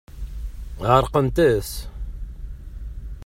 Ɛerqent-as.